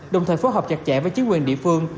đồng thời phối hợp chặt chẽ với chính quyền địa phương